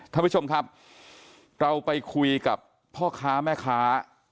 ท่านผู้ชมครับเราไปคุยกับพ่อค้าแม่ค้า